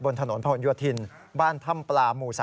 บนถนนพลยถิลบ้านท่ำปลาหมู่๓